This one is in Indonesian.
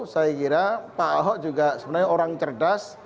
saya kira pak ahok juga sebenarnya orang cerdas